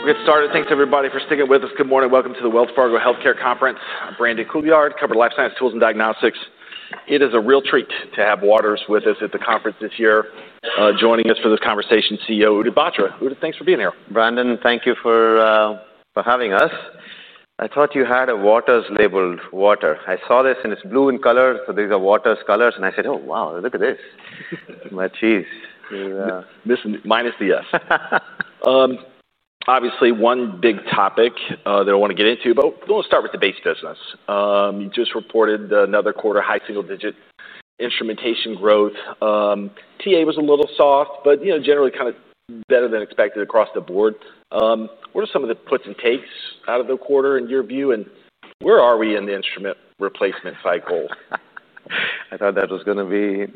... We'll get started. Thanks everybody for sticking with us. Good morning. Welcome to the Wells Fargo Healthcare Conference. I'm Brandon Couillard, covering life science, tools, and diagnostics. It is a real treat to have Waters with us at the conference this year. Joining us for this conversation, CEO Udit Batra. Udit, thanks for being here. Brandon, thank you for having us. I thought you had a Waters-labeled water. I saw this, and it's blue in color, so these are Waters colors, and I said: "Oh, wow! Look at this." Matches. This minus the S. Obviously, one big topic that I wanna get into, but we're gonna start with the base business. You just reported another quarter high single-digit instrumentation growth. TA was a little soft, but, you know, generally kind of better than expected across the board. What are some of the puts and takes out of the quarter in your view, and where are we in the instrument replacement cycle? I thought that was gonna be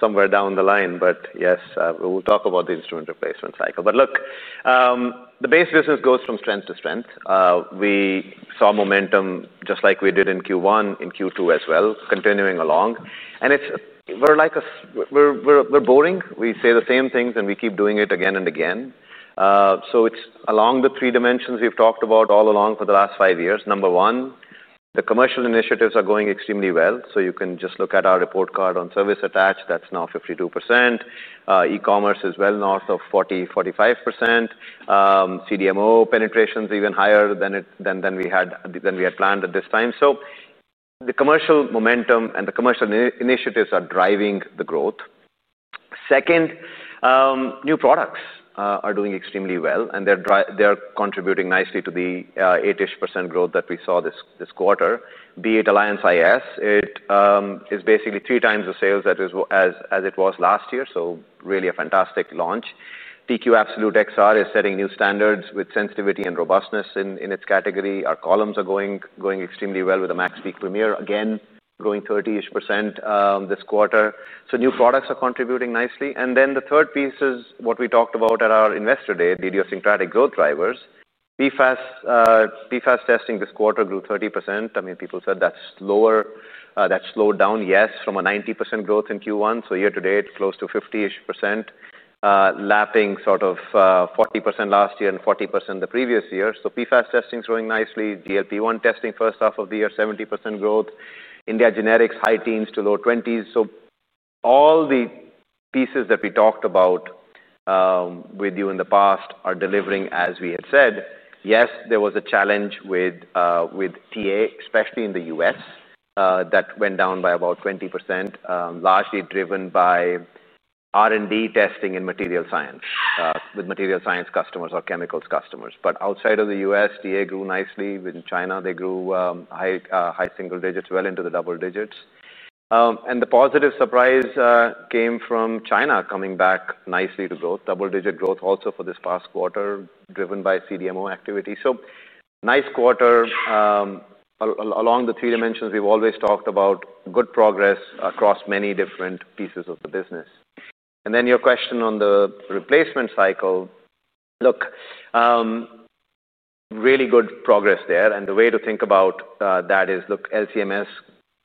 somewhere down the line, but yes, we'll talk about the instrument replacement cycle. But look, the base business goes from strength to strength. We saw momentum just like we did in Q1, in Q2 as well, continuing along, and it's-- we're like a-- we're boring. We say the same things, and we keep doing it again and again. So it's along the three dimensions we've talked about all along for the last five years. Number one, the commercial initiatives are going extremely well, so you can just look at our report card on service attached, that's now 52%. E-commerce is well north of 40-45%. CDMO penetration is even higher than it, than we had planned at this time. So the commercial momentum and the commercial initiatives are driving the growth. Second, new products are doing extremely well, and they're contributing nicely to the eight-ish% growth that we saw this quarter. Be it Alliance iS, it is basically three times the sales that it was last year, so really a fantastic launch. TQ Absolute XR is setting new standards with sensitivity and robustness in its category. Our columns are going extremely well with the MaxPeak Premier, again, growing 30-ish% this quarter. So new products are contributing nicely. And then, the third piece is what we talked about at our Investor Day, idiosyncratic growth drivers. PFAS testing this quarter grew 30%. I mean, people said that's lower. that slowed down, yes, from a 90% growth in Q1, so year to date, close to 50-ish%, lapping sort of, 40% last year and 40% the previous year. So PFAS testing's growing nicely. GLP-1 testing first half of the year, 70% growth. India generics, high teens% to low 20s%. So all the pieces that we talked about, with you in the past are delivering as we had said. Yes, there was a challenge with, with TA, especially in the U.S., that went down by about 20%, largely driven by R&D testing in material science, with material science customers or chemicals customers. But outside of the U.S., TA grew nicely. In China, they grew, high single digits, well into the double digits. And the positive surprise came from China coming back nicely to growth. Double-digit growth also for this past quarter, driven by CDMO activity. So nice quarter. Along the three dimensions we've always talked about, good progress across many different pieces of the business. And then, your question on the replacement cycle, look, really good progress there, and the way to think about that is, look, LC-MS,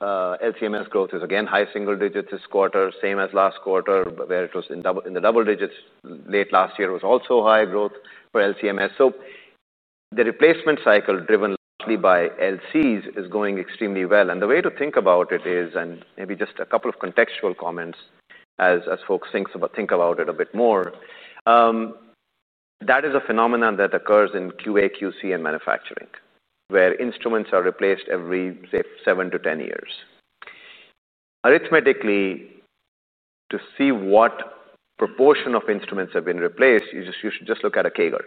LC-MS growth is again high single digits this quarter, same as last quarter, where it was in the double digits. Late last year, it was also high growth for LC-MS. The replacement cycle, driven largely by LCs, is going extremely well, and the way to think about it is, and maybe just a couple of contextual comments as folks think about it a bit more, that is a phenomenon that occurs in QA, QC, and manufacturing, where instruments are replaced every, say, seven to ten years. Arithmetically, to see what proportion of instruments have been replaced, you just, you should just look at a CAGR.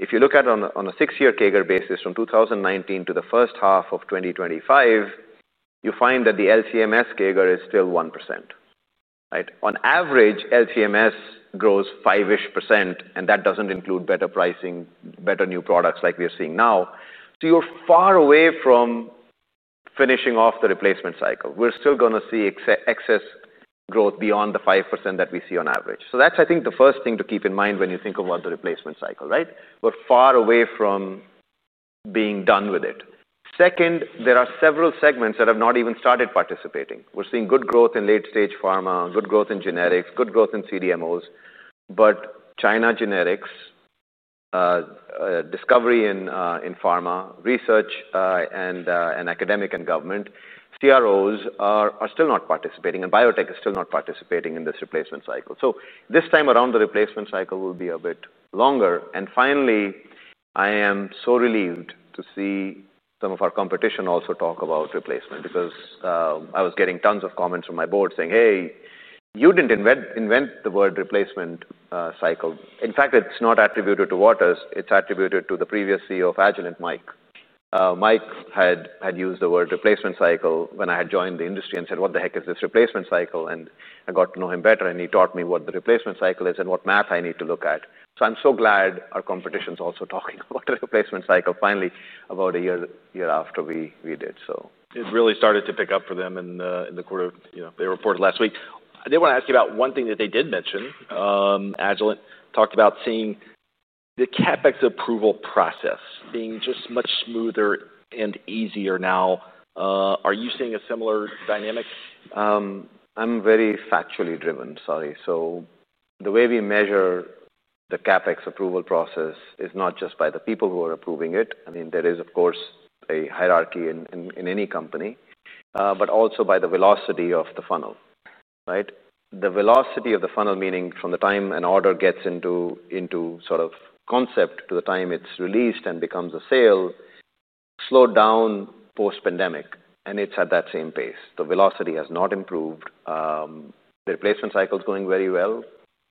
If you look at a six-year CAGR basis from 2019 to the first half of 2025, you find that the LC-MS CAGR is still 1%, right? On average, LC-MS grows 5-ish%, and that doesn't include better pricing, better new products like we are seeing now. You're far away from finishing off the replacement cycle. We're still gonna see excess growth beyond the 5% that we see on average. So that's, I think, the first thing to keep in mind when you think about the replacement cycle, right? We're far away from being done with it. Second, there are several segments that have not even started participating. We're seeing good growth in late-stage pharma, good growth in generics, good growth in CDMOs, but China generics, discovery in pharma research, and academic and government CROs are still not participating, and biotech is still not participating in this replacement cycle. So this time around, the replacement cycle will be a bit longer. Finally, I am so relieved to see some of our competition also talk about replacement because I was getting tons of comments from my board saying: "Hey, you didn't invent the word replacement cycle." In fact, it's not attributed to Waters. It's attributed to the previous CEO of Agilent, Mike. Mike had used the word replacement cycle when I had joined the industry and said: "What the heck is this replacement cycle?" And I got to know him better, and he taught me what the replacement cycle is and what math I need to look at. So I'm so glad our competition's also talking about the replacement cycle finally, about a year after we did so. It really started to pick up for them in the quarter, you know, they reported last week. I did want to ask you about one thing that they did mention. Agilent talked about seeing the CapEx approval process being just much smoother and easier now. Are you seeing a similar dynamic? I'm very factually driven. Sorry. So the way we measure the CapEx approval process is not just by the people who are approving it. I mean, there is, of course, a hierarchy in any company, but also by the velocity of the funnel, right? The velocity of the funnel, meaning from the time an order gets into sort of concept to the time it's released and becomes a sale, slowed down post-pandemic, and it's at that same pace. The velocity has not improved. The replacement cycle is going very well,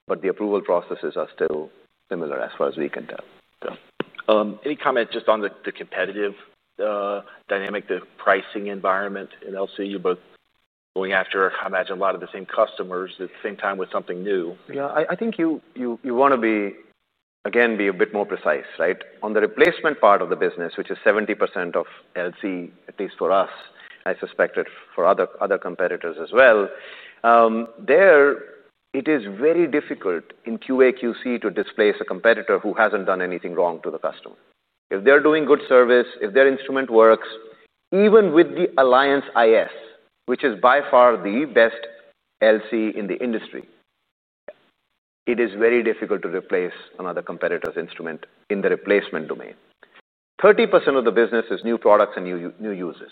but the approval processes are still similar as far as we can tell, so. Any comment just on the competitive dynamic, the pricing environment in LC, you both going after, I imagine, a lot of the same customers at the same time with something new? Yeah, I think you wanna be, again, be a bit more precise, right? On the replacement part of the business, which is 70% of LC, at least for us, I suspect it for other competitors as well. There, it is very difficult in QA/QC to displace a competitor who hasn't done anything wrong to the customer. If they're doing good service, if their instrument works, even with the Alliance iS, which is by far the best LC in the industry, it is very difficult to replace another competitor's instrument in the replacement domain. 30% of the business is new products and new users.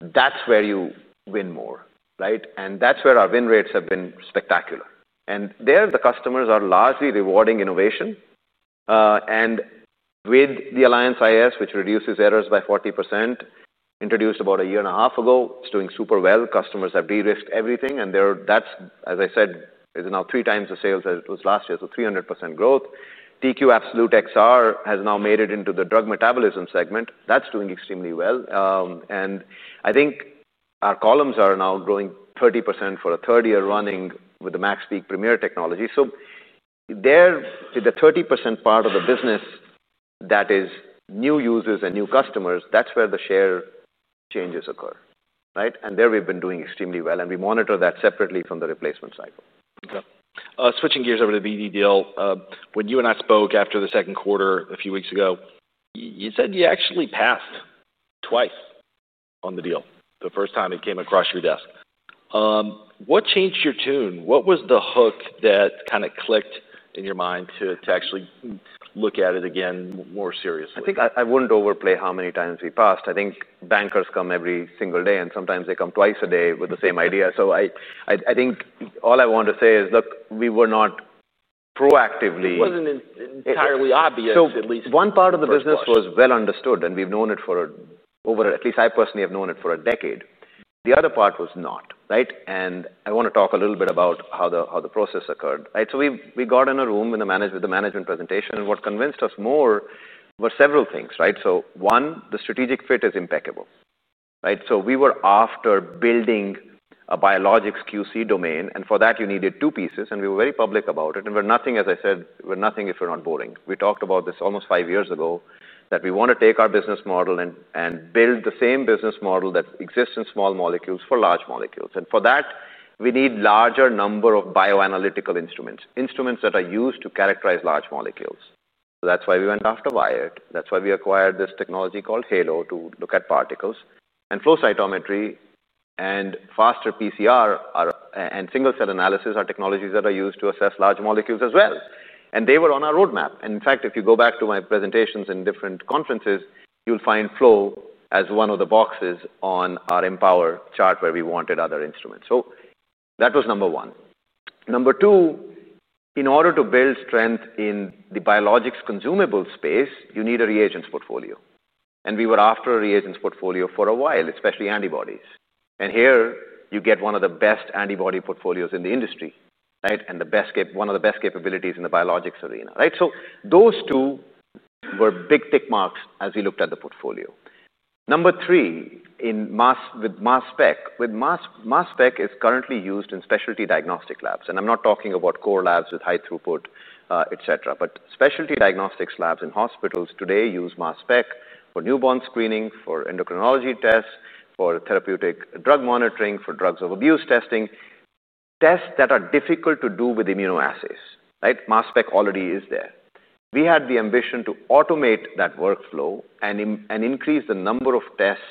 That's where you win more, right? And that's where our win rates have been spectacular. And there, the customers are largely rewarding innovation. And with the Alliance iS, which reduces errors by 40%, introduced about a year and a half ago, it's doing super well. Customers have de-risked everything, and there, that's, as I said, is now three times the sales as it was last year, so 300% growth. TQ Absolute XR has now made it into the drug metabolism segment. That's doing extremely well. And I think our columns are now growing 30% for a third year running with the MaxPeak Premier technology. So there, the 30% part of the business that is new users and new customers, that's where the share changes occur, right? And there we've been doing extremely well, and we monitor that separately from the replacement cycle. Okay. Switching gears over to the BD deal. When you and I spoke after the second quarter, a few weeks ago, you said you actually passed twice on the deal the first time it came across your desk. What changed your tune? What was the hook that kinda clicked in your mind to actually look at it again more seriously? I think I wouldn't overplay how many times we passed. I think bankers come every single day, and sometimes they come twice a day with the same idea. So I think all I want to say is, look, we were not proactively- It wasn't entirely obvious, at least. So one part of the business was well understood, and we've known it for over... at least I personally have known it for a decade. The other part was not, right? And I wanna talk a little bit about how the process occurred, right? So we got in a room with the management presentation, and what convinced us more were several things, right? So one, the strategic fit is impeccable, right? So we were after building a biologics QC domain, and for that, you needed two pieces, and we were very public about it. And we're nothing, as I said, we're nothing if we're not boring. We talked about this almost five years ago, that we wanna take our business model and build the same business model that exists in small molecules for large molecules. For that, we need larger number of bioanalytical instruments, instruments that are used to characterize large molecules. So that's why we went after Wyatt. That's why we acquired this technology called HALO to look at particles, and flow cytometry and faster PCR and single cell analysis are technologies that are used to assess large molecules as well. And they were on our roadmap. And in fact, if you go back to my presentations in different conferences, you'll find flow as one of the boxes on our Empower chart where we wanted other instruments. So that was number one. Number two, in order to build strength in the biologics consumable space, you need a reagents portfolio, and we were after a reagents portfolio for a while, especially antibodies. And here, you get one of the best antibody portfolios in the industry, right? one of the best capabilities in the biologics arena, right? So those two were big tick marks as we looked at the portfolio. Number three, in mass, with mass spec. With mass, mass spec is currently used in specialty diagnostic labs, and I'm not talking about core labs with high throughput, et cetera. But specialty diagnostics labs and hospitals today use mass spec for newborn screening, for endocrinology tests, for therapeutic drug monitoring, for drugs of abuse testing, tests that are difficult to do with immunoassays, right? Mass spec already is there. We had the ambition to automate that workflow and increase the number of tests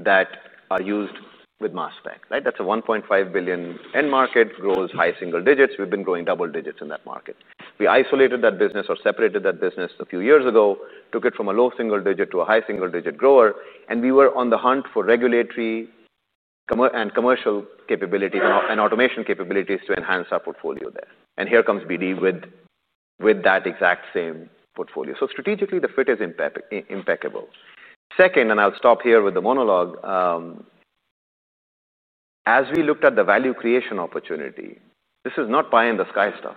that are used with mass spec, right? That's a $1.5 billion end market, grows high single digits. We've been growing double digits in that market. We isolated that business or separated that business a few years ago, took it from a low single digit to a high single digit grower, and we were on the hunt for regulatory, commercial capability, and automation capabilities to enhance our portfolio there, and here comes BD with that exact same portfolio, so strategically, the fit is impeccable. Second, and I'll stop here with the monologue. As we looked at the value creation opportunity, this is not pie-in-the-sky stuff.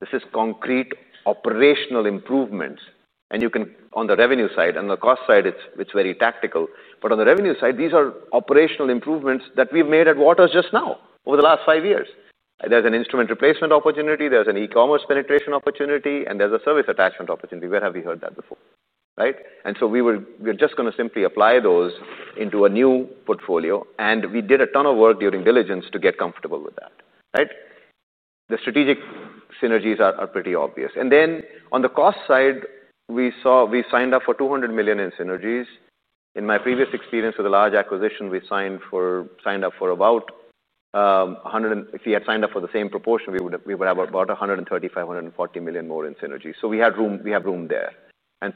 This is concrete operational improvements. On the revenue side and the cost side, it's very tactical, but on the revenue side, these are operational improvements that we've made at Waters just now, over the last five years. There's an instrument replacement opportunity, there's an e-commerce penetration opportunity, and there's a service attachment opportunity. Where have we heard that before, right? And so we will. We're just gonna simply apply those into a new portfolio, and we did a ton of work during diligence to get comfortable with that, right? The strategic synergies are pretty obvious. Then on the cost side, we saw we signed up for $200 million in synergies. In my previous experience with a large acquisition, we signed up for about $100 million, and if we had signed up for the same proportion, we would have about $135-$140 million more in synergy. So we have room there.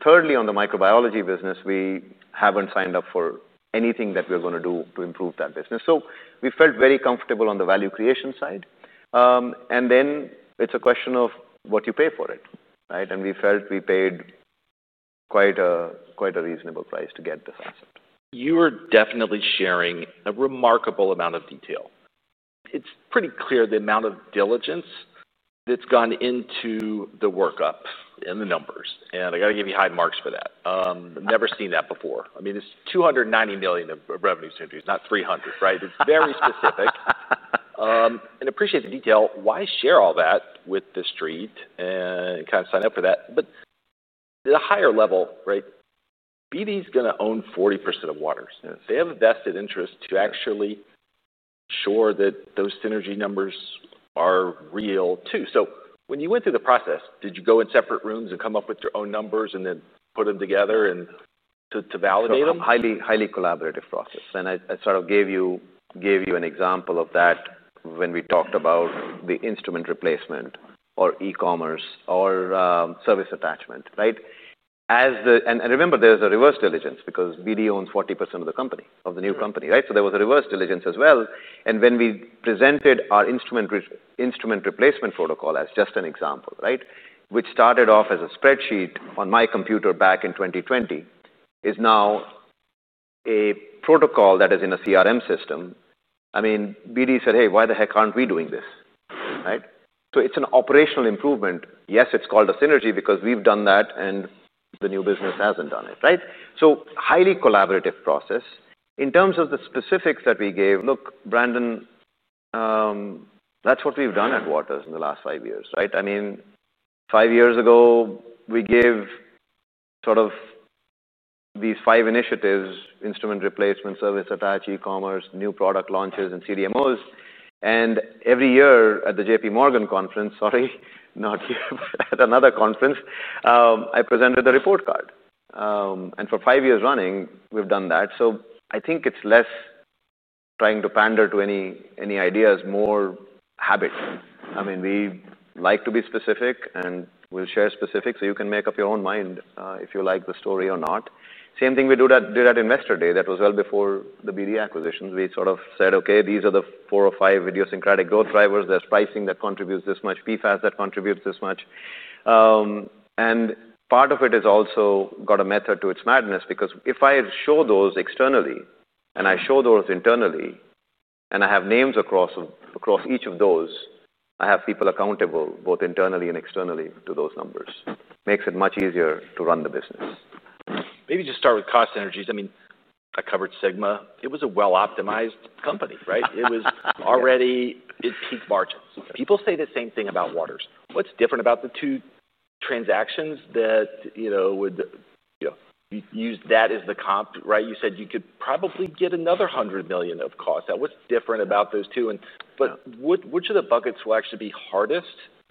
Thirdly, on the microbiology business, we haven't signed up for anything that we're gonna do to improve that business. So we felt very comfortable on the value creation side. And then it's a question of what you pay for it, right? We felt we paid quite a reasonable price to get this asset. You are definitely sharing a remarkable amount of detail. It's pretty clear the amount of diligence that's gone into the workup and the numbers, and I gotta give you high marks for that. I've never seen that before. I mean, it's $290 million of revenue synergies, not $300 million, right? It's very specific. And appreciate the detail. Why share all that with the street and kind of sign up for that? But at a higher level, right, BD's gonna own 40% of Waters. They have a vested interest to actually ensure that those synergy numbers are real, too. So when you went through the process, did you go in separate rooms and come up with your own numbers, and then put them together and to validate them? Highly, highly collaborative process, and I sort of gave you an example of that when we talked about the instrument replacement or e-commerce or service attachment, right? And remember, there's a reverse diligence because BD owns 40% of the company, of the new company, right? Yeah. There was a reverse diligence as well, and when we presented our instrument replacement protocol as just an example, right, which started off as a spreadsheet on my computer back in twenty twenty, is now a protocol that is in a CRM system. I mean, BD said: "Hey, why the heck aren't we doing this," right? So it's an operational improvement. Yes, it's called a synergy because we've done that, and the new business hasn't done it, right? So highly collaborative process. In terms of the specifics that we gave, look, Brandon, that's what we've done at Waters in the last five years, right? I mean, five years ago, we gave sort of these five initiatives, instrument replacement, service attach, e-commerce, new product launches, and CDMOs, and every year at the J.P. Morgan conference, sorry, not here, at another conference, I presented the report card. And for five years running, we've done that. So I think it's less trying to pander to any ideas, more habit. I mean, we like to be specific, and we'll share specifics, so you can make up your own mind if you like the story or not. Same thing we did at Investor Day, that was well before the BD acquisitions. We sort of said, "Okay, these are the four or five idiosyncratic growth drivers. There's pricing that contributes this much, PFAS that contributes this much." And part of it is also got a method to its madness because if I show those externally, and I show those internally, and I have names across each of those, I have people accountable, both internally and externally, to those numbers. Makes it much easier to run the business. Maybe just start with cost synergies. I mean, I covered Sigma. It was a well-optimized company, right? It was already at peak margins. People say the same thing about Waters. What's different about the two transactions that, you know, would, you know, use that as the comp, right? You said you could probably get another $100 million of cost. Now, what's different about those two and- Yeah. But which of the buckets will actually be hardest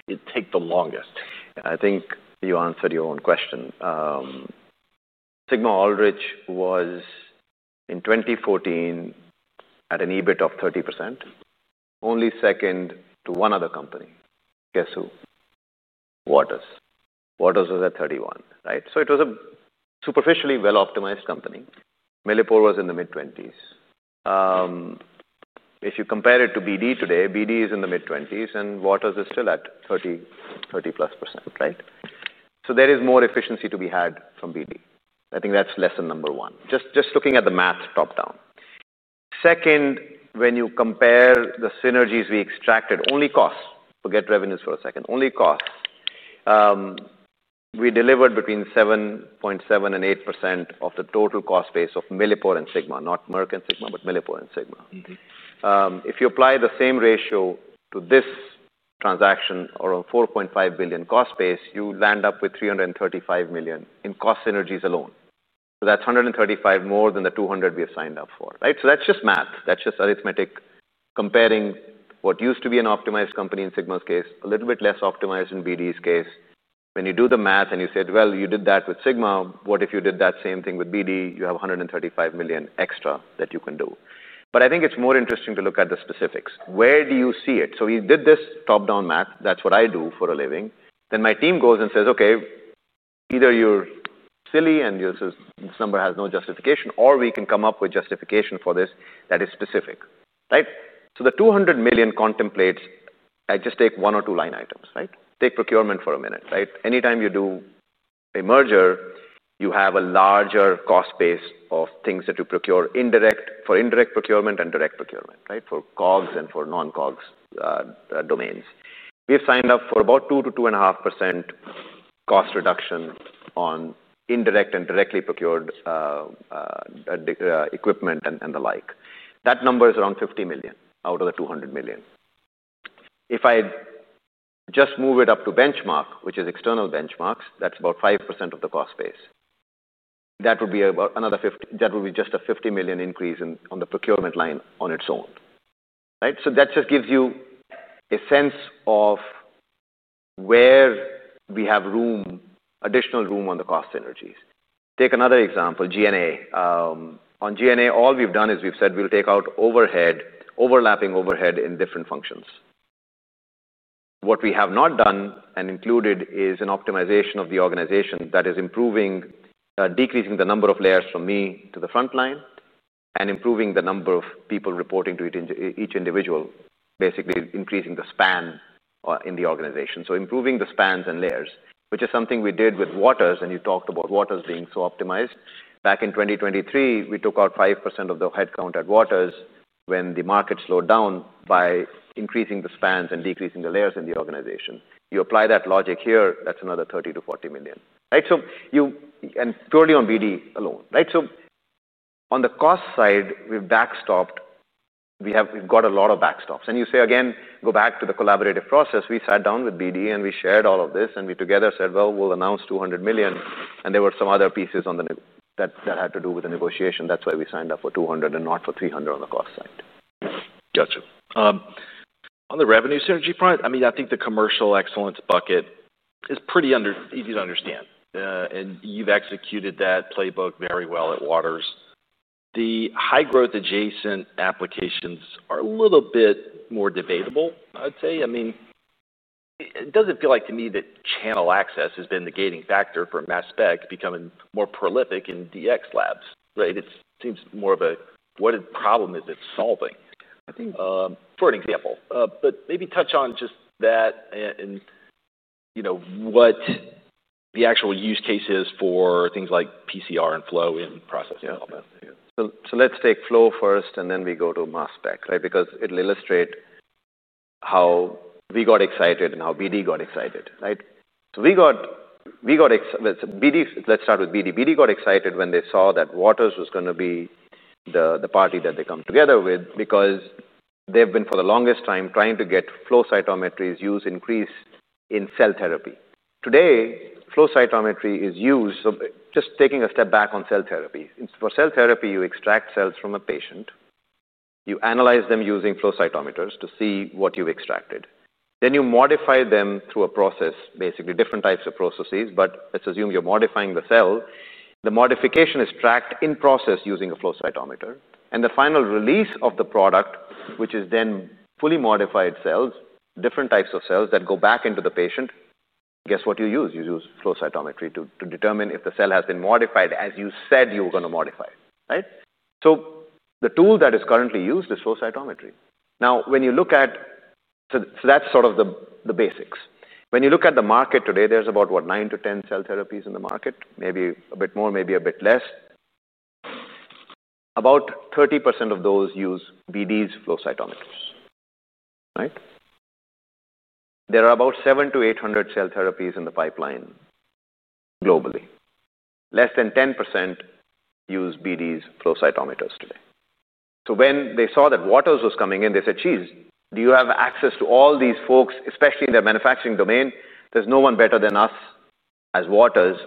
and take the longest? I think you answered your own question. Sigma-Aldrich was, in twenty fourteen, at an EBIT of 30%, only second to one other company. Guess who? Waters. Waters was at 31%, right? So it was a superficially well-optimized company. Millipore was in the mid-20s%. If you compare it to BD today, BD is in the mid-20s%, and Waters is still at 30, 30-plus%, right? So there is more efficiency to be had from BD. I think that's lesson number one, just, just looking at the math top-down. Second, when you compare the synergies we extracted, only costs, forget revenues for a second, only costs. We delivered between 7.7% and 8% of the total cost base of Millipore and Sigma, not Merck and Sigma, but Millipore and Sigma. Mm-hmm. If you apply the same ratio to this transaction on a $4.5 billion cost base, you end up with $335 million in cost synergies alone, so that's 135 more than the 200 we have signed up for, right? That's just math. That's just arithmetic, comparing what used to be an optimized company in Sigma's case, a little bit less optimized in BD's case. When you do the math, and you said, "Well, you did that with Sigma, what if you did that same thing with BD?" You have a $135 million extra that you can do. But I think it's more interesting to look at the specifics. Where do you see it, so we did this top-down math. That's what I do for a living. Then my team goes and says, "Okay, either you're silly, and this is, this number has no justification, or we can come up with justification for this that is specific," right? So the $200 million contemplates... I just take one or two line items, right? Take procurement for a minute, right? Anytime you do a merger, you have a larger cost base of things that you procure, indirect, for indirect procurement and direct procurement, right? For COGS and for non-COGS, domains. We have signed up for about 2%-2.5% cost reduction on indirect and directly procured, equipment and the like. That number is around $50 million out of the $200 million. If I just move it up to benchmark, which is external benchmarks, that's about 5% of the cost base. That would be about another $50 million increase in the procurement line on its own, right? So that just gives you a sense of where we have room, additional room on the cost synergies. Take another example, G&A. On G&A, all we've done is we've said we'll take out overhead, overlapping overhead in different functions. What we have not done and included is an optimization of the organization that is improving, decreasing the number of layers from me to the front line and improving the number of people reporting to it, each individual, basically increasing the span in the organization. So improving the spans and layers, which is something we did with Waters, and you talked about Waters being so optimized. Back in 2023, we took out 5% of the headcount at Waters when the market slowed down by increasing the spans and decreasing the layers in the organization. You apply that logic here, that's another $30-40 million, right? So you and purely on BD alone, right? So on the cost side, we've backstopped. We've got a lot of backstops. You say again, go back to the collaborative process. We sat down with BD, and we shared all of this, and we together said, "Well, we'll announce $200 million," and there were some other pieces on that had to do with the negotiation. That's why we signed up for $200 and not for $300 on the cost side. Got you. On the revenue synergy front, I mean, I think the commercial excellence bucket is pretty easy to understand, and you've executed that playbook very well at Waters. The high-growth adjacent applications are a little bit more debatable, I'd say. I mean, it doesn't feel like to me that channel access has been the gating factor for mass spec becoming more prolific in DX labs, right? It seems more of a, what problem is it solving? I think- For an example, but maybe touch on just that and you know, what the actual use case is for things like PCR and flow in process development. Yeah. So let's take flow first, and then we go to mass spec, right? Because it'll illustrate how we got excited and how BD got excited, right? So let's start with BD. BD got excited when they saw that Waters was gonna be the party that they come together with because they've been, for the longest time, trying to get flow cytometry's use increased in cell therapy. Today, flow cytometry is used. So just taking a step back on cell therapy. For cell therapy, you extract cells from a patient, you analyze them using flow cytometers to see what you've extracted. Then you modify them through a process, basically different types of processes, but let's assume you're modifying the cell. The modification is tracked in process using a flow cytometer, and the final release of the product, which is then fully modified cells, different types of cells that go back into the patient. Guess what you use? You use flow cytometry to determine if the cell has been modified as you said you were gonna modify it, right? So the tool that is currently used is flow cytometry. Now, when you look at the market today, there's about, what, 9-10 cell therapies in the market, maybe a bit more, maybe a bit less. About 30% of those use BD's flow cytometers, right? There are about 700-800 cell therapies in the pipeline globally. Less than 10% use BD's flow cytometers today. When they saw that Waters was coming in, they said, "Geez, do you have access to all these folks?" Especially in the manufacturing domain, there's no one better than us as Waters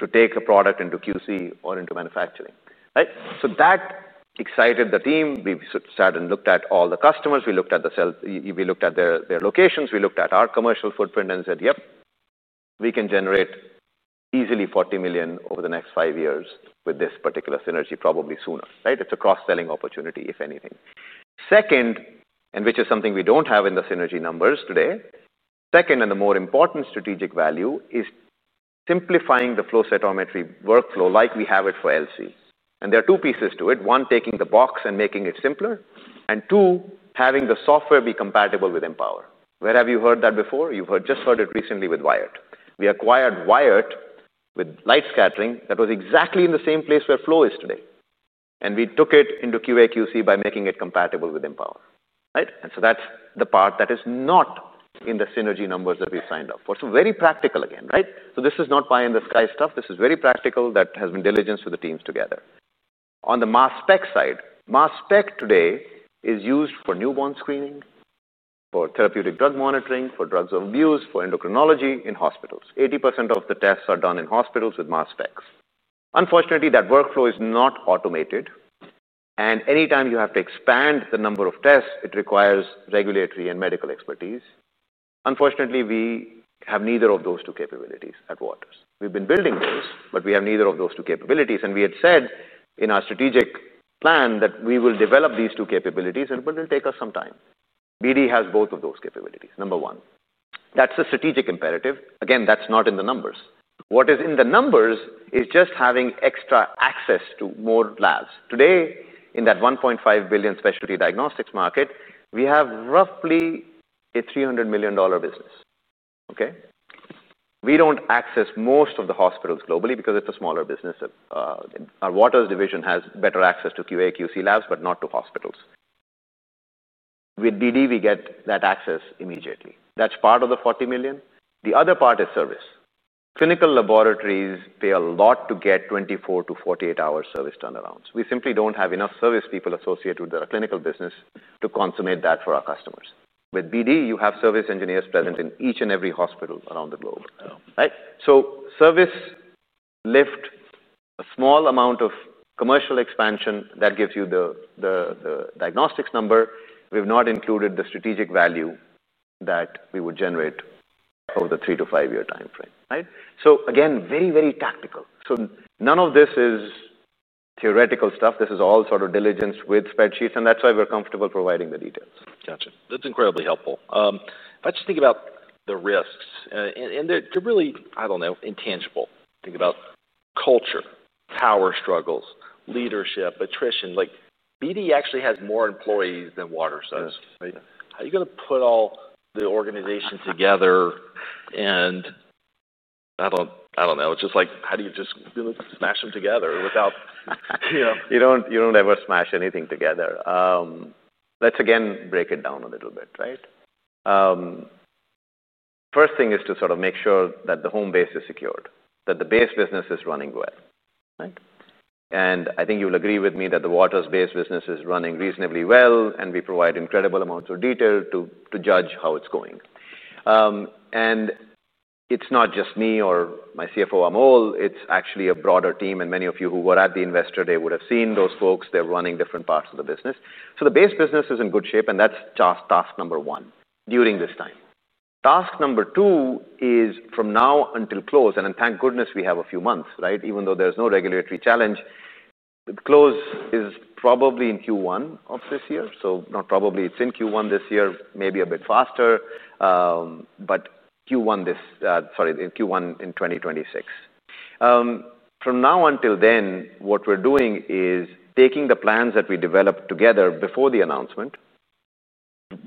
to take a product into QC or into manufacturing, right? So that excited the team. We sat and looked at all the customers. We looked at their locations. We looked at our commercial footprint and said, "Yep, we can generate easily $40 million over the next five years with this particular synergy, probably sooner," right? It's a cross-selling opportunity, if anything. Second, which is something we don't have in the synergy numbers today, the more important strategic value is simplifying the flow cytometry workflow like we have it for LC. There are two pieces to it: one, taking the box and making it simpler, and two, having the software be compatible with Empower. Where have you heard that before? You've heard, just heard it recently with Wyatt. We acquired Wyatt with light scattering. That was exactly in the same place where flow is today, and we took it into QA/QC by making it compatible with Empower, right? That's the part that is not in the synergy numbers that we signed off for. Very practical again, right? This is not pie-in-the-sky stuff. This is very practical that has been diligence with the teams together. On the mass spec side, mass spec today is used for newborn screening, for therapeutic drug monitoring, for drugs of abuse, for endocrinology in hospitals. 80% of the tests are done in hospitals with mass specs. Unfortunately, that workflow is not automated, and anytime you have to expand the number of tests, it requires regulatory and medical expertise. Unfortunately, we have neither of those two capabilities at Waters. We've been building those, but we have neither of those two capabilities, and we had said in our strategic plan that we will develop these two capabilities, and, but it'll take us some time. BD has both of those capabilities, number one. That's a strategic imperative. Again, that's not in the numbers. What is in the numbers is just having extra access to more labs. Today, in that $1.5 billion specialty diagnostics market, we have roughly a $300 million business, okay? We don't access most of the hospitals globally because it's a smaller business. Our Waters division has better access to QA/QC labs, but not to hospitals. With BD, we get that access immediately. That's part of the $40 million. The other part is service. Clinical laboratories pay a lot to get 24- to 48-hour service turnarounds. We simply don't have enough service people associated with our clinical business to consummate that for our customers. With BD, you have service engineers present in each and every hospital around the globe, right? So service. A small amount of commercial expansion that gives you the diagnostics number. We've not included the strategic value that we would generate over the 3- to 5-year time frame, right? So again, very, very tactical. So none of this is theoretical stuff. This is all sort of diligence with spreadsheets, and that's why we're comfortable providing the details. Gotcha. That's incredibly helpful. Let's just think about the risks, and they're really, I don't know, intangible. Think about culture, power struggles, leadership, attrition. Like, BD actually has more employees than Waters does. Yes. How are you gonna put all the organization together? And I don't, I don't know. It's just like, how do you just smash them together without, you know- You don't, you don't ever smash anything together. Let's again break it down a little bit, right? First thing is to sort of make sure that the home base is secured, that the base business is running well, right? And I think you'll agree with me that the Waters base business is running reasonably well, and we provide incredible amounts of detail to judge how it's going. And it's not just me or my CFO, Amol, it's actually a broader team, and many of you who were at the Investor Day would have seen those folks. They're running different parts of the business. So the base business is in good shape, and that's task number one during this time. Task number two is from now until close, and thank goodness we have a few months, right? Even though there's no regulatory challenge, close is in Q1 in 2026. From now until then, what we're doing is taking the plans that we developed together before the announcement,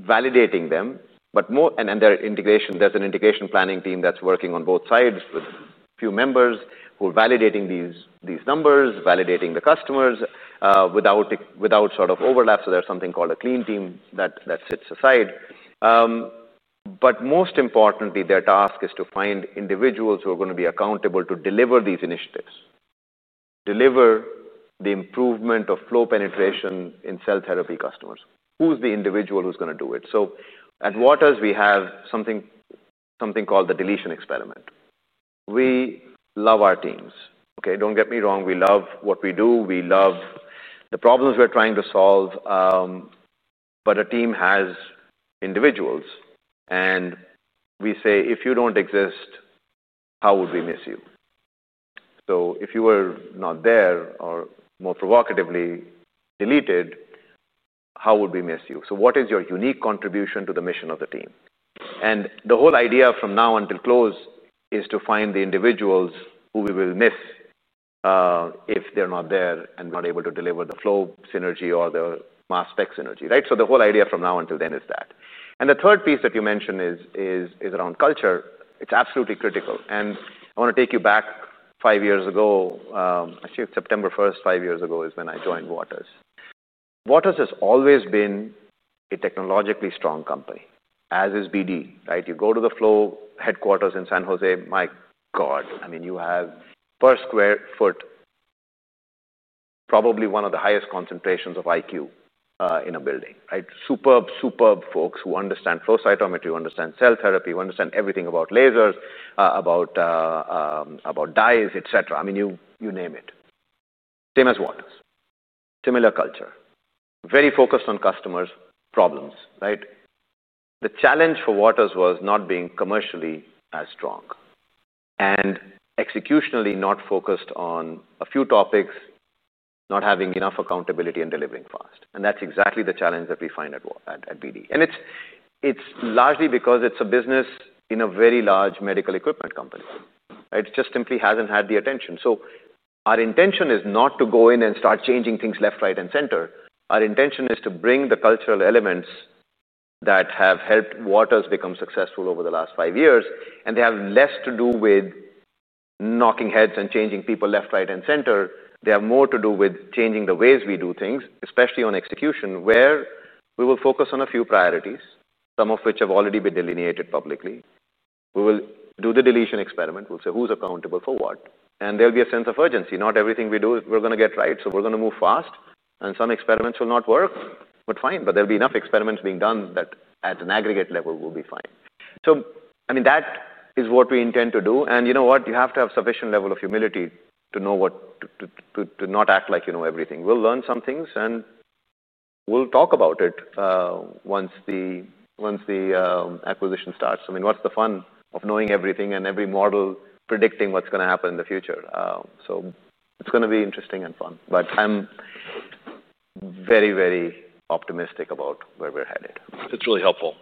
validating them. There's an integration planning team that's working on both sides with a few members who are validating these numbers, validating the customers, without sort of overlap. So there's something called a clean team that sits aside. But most importantly, their task is to find individuals who are gonna be accountable to deliver these initiatives, deliver the improvement of flow penetration in cell therapy customers. Who's the individual who's gonna do it? At Waters, we have something called the deletion experiment. We love our teams. Okay, don't get me wrong, we love what we do, we love the problems we're trying to solve, but a team has individuals, and we say: If you don't exist, how would we miss you? So if you were not there, or more provocatively, deleted, how would we miss you? So what is your unique contribution to the mission of the team? And the whole idea from now until close is to find the individuals who we will miss if they're not there and not able to deliver the flow synergy or the mass spec synergy, right? So the whole idea from now until then is that. And the third piece that you mentioned is around culture. It's absolutely critical, and I want to take you back five years ago. I think it's September first, five years ago, is when I joined Waters. Waters has always been a technologically strong company, as is BD, right? You go to the flow headquarters in San Jose, my God, I mean, you have per sq ft, probably one of the highest concentrations of IQ, in a building, right? Superb, superb folks who understand flow cytometry, understand cell therapy, understand everything about lasers, about dyes, et cetera. I mean, you name it. Same as Waters. Similar culture. Very focused on customers' problems, right? The challenge for Waters was not being commercially as strong and executionally not focused on a few topics, not having enough accountability and delivering fast, and that's exactly the challenge that we find at BD. And it's largely because it's a business in a very large medical equipment company, right? It just simply hasn't had the attention. So our intention is not to go in and start changing things left, right, and center. Our intention is to bring the cultural elements that have helped Waters become successful over the last five years, and they have less to do with knocking heads and changing people left, right, and center. They have more to do with changing the ways we do things, especially on execution, where we will focus on a few priorities, some of which have already been delineated publicly. We will do the deletion experiment. We'll say, "Who's accountable for what?" And there'll be a sense of urgency. Not everything we do, we're gonna get right, so we're gonna move fast, and some experiments will not work, but fine, but there'll be enough experiments being done that at an aggregate level, we'll be fine. So I mean, that is what we intend to do, and you know what? You have to have sufficient level of humility to know what to not act like you know everything. We'll learn some things, and we'll talk about it once the acquisition starts. I mean, what's the fun of knowing everything and every model predicting what's gonna happen in the future? So it's gonna be interesting and fun, but I'm very, very optimistic about where we're headed. That's really helpful.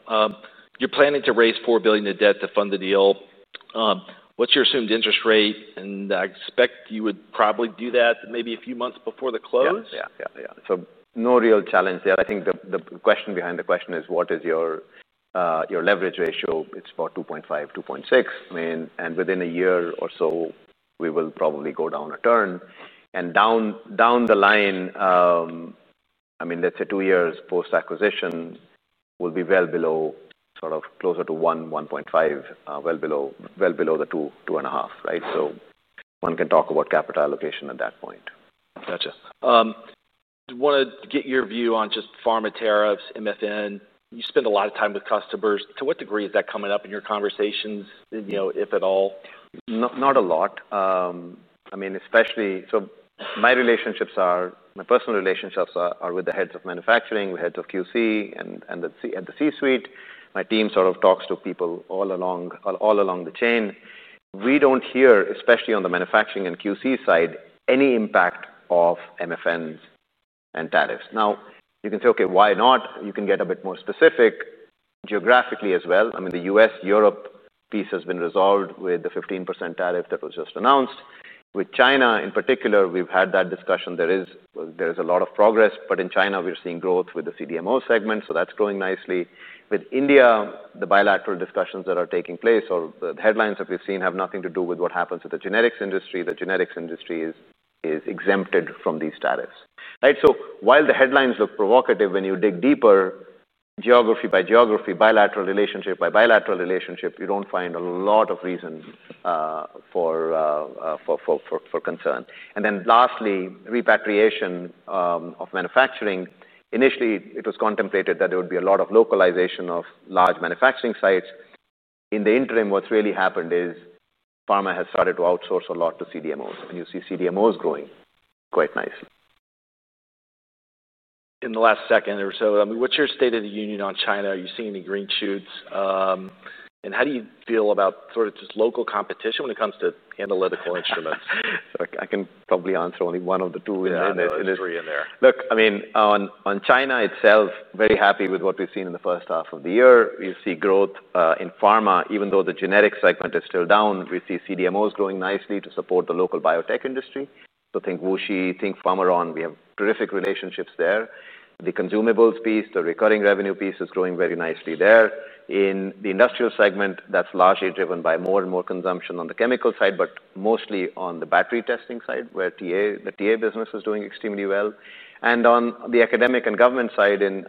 You're planning to raise $4 billion in debt to fund the deal. What's your assumed interest rate? And I expect you would probably do that maybe a few months before the close. Yeah, yeah, yeah. So no real challenge there. I think the question behind the question is what is your leverage ratio? It's about 2.5, 2.6. I mean, and within a year or so, we will probably go down a turn, and down the line, I mean, let's say two years post-acquisition, will be well below, sort of closer to 1, 1.5, well below the 2, 2.5, right? So one can talk about capital allocation at that point.... Gotcha. Want to get your view on just pharma tariffs, MFN. You spend a lot of time with customers. To what degree is that coming up in your conversations, you know, if at all? Not a lot. I mean, especially so my relationships are my personal relationships are with the heads of manufacturing, the heads of QC, and the C-suite. My team sort of talks to people all along the chain. We don't hear, especially on the manufacturing and QC side, any impact of MFNs and tariffs. Now, you can say, "Okay, why not?" You can get a bit more specific geographically as well. I mean, the U.S.-Europe piece has been resolved with the 15% tariff that was just announced. With China, in particular, we've had that discussion. There is a lot of progress, but in China, we're seeing growth with the CDMO segment, so that's growing nicely. With India, the bilateral discussions that are taking place or the headlines that we've seen have nothing to do with what happens to the generics industry. The generics industry is exempted from these tariffs, right? So while the headlines look provocative, when you dig deeper, geography by geography, bilateral relationship by bilateral relationship, you don't find a lot of reason for concern, and then lastly, repatriation of manufacturing. Initially, it was contemplated that there would be a lot of localization of large manufacturing sites. In the interim, what's really happened is pharma has started to outsource a lot to CDMOs, and you see CDMOs growing quite nicely. In the last second or so, I mean, what's your state of the union on China? Are you seeing any green shoots? And how do you feel about sort of just local competition when it comes to analytical instruments? I can probably answer only one of the two in there. Yeah, there's three in there. Look, I mean, on China itself, very happy with what we've seen in the first half of the year. We see growth in pharma, even though the generics segment is still down. We see CDMOs growing nicely to support the local biotech industry. So think WuXi, think Pharmaron. We have terrific relationships there. The consumables piece, the recurring revenue piece, is growing very nicely there. In the industrial segment, that's largely driven by more and more consumption on the chemical side, but mostly on the battery testing side, where TA, the TA business is doing extremely well, and on the academic and government side in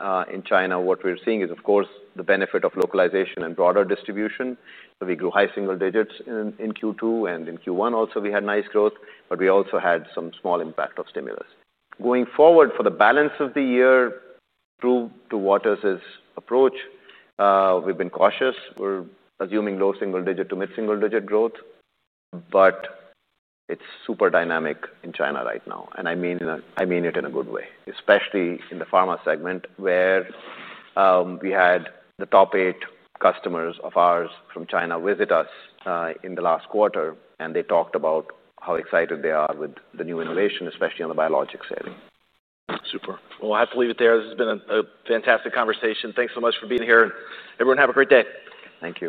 China, what we're seeing is, of course, the benefit of localization and broader distribution, so we grew high single digits in Q2, and in Q1 also we had nice growth, but we also had some small impact of stimulus. Going forward for the balance of the year, true to Waters's approach, we've been cautious. We're assuming low single digit to mid-single digit growth, but it's super dynamic in China right now, and I mean it in a good way, especially in the pharma segment, where we had the top eight customers of ours from China visit us in the last quarter, and they talked about how excited they are with the new innovation, especially on the biologics area. Super. Well, I have to leave it there. This has been a fantastic conversation. Thanks so much for being here, and everyone, have a great day. Thank you.